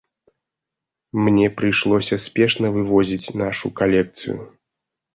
Мне прыйшлося спешна вывозіць нашу калекцыю.